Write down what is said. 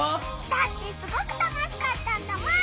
だってすごく楽しかったんだもん！